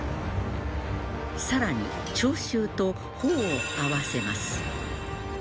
さらに聴衆と頬を合わせます。